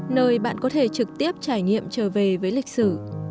nơi bạn có thể trực tiếp trải nghiệm trở về với lịch sử